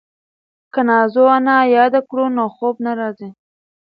که نازو انا یاده کړو نو خوب نه راځي.